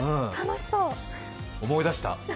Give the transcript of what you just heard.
思い出した。